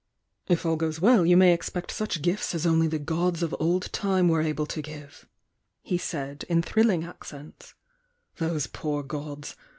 "If all goes well you may expect such gifts as only the gods of old time were able to give!" he said, in thrilling accents, — "Those poor gods!